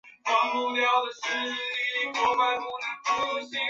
得应本项考试相关类科之考试。